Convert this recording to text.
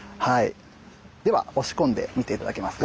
では押し込んでみて頂けますか。